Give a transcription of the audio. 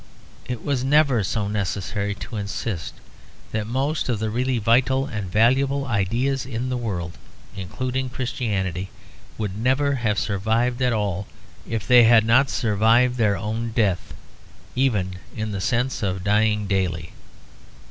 It was never so necessary to insist that most of the really vital and valuable ideas in the world, including Christianity, would never have survived at all if they had not survived their own death, even in the sense of dying daily.